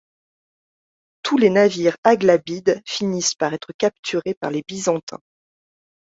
Tous les navires aghlabides finissent par être capturés par les Byzantins.